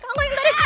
kau yang tarik